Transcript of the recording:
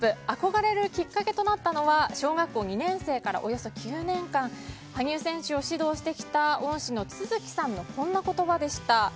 憧れるきっかけとなったのは小学校２年生からおよそ９年間羽生選手を指導してきた恩師の都筑さんのこんな言葉でした。